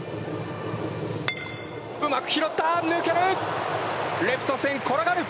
うまく拾った、抜ける！